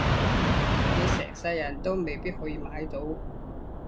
你成世人都未必可以買到